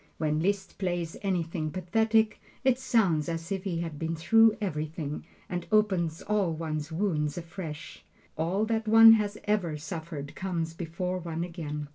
When Liszt plays anything pathetic, it sounds as if he had been through everything, and opens all one's wounds afresh. All that one has ever suffered comes before one again.